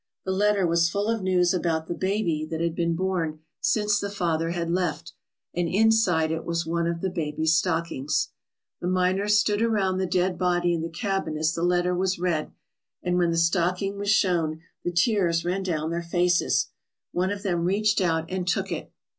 The letter was full of news about the baby that had been born since the father had left and inside it was one of the baby's stockings. The miners stood around the dead body in the cabin as the letter was read, and when the stocking was shown the tears ran down their faces. One of them reached out and took it.